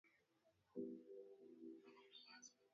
Andaa mkaa au gesi kwa ajili ya kupika viazi lishe